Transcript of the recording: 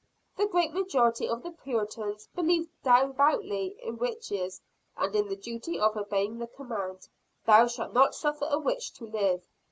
The great majority of the Puritans believed devoutly in witches, and in the duty of obeying the command, "Thou shalt not suffer a witch to live."